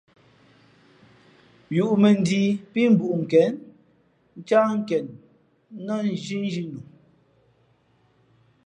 Yūʼmᾱnjīī pí mbuʼnkěn ncáh nkěn nά nzhinzhǐ nu.